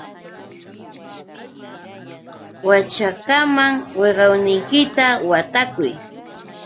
Waćhakawan wiqawniykita watakuy.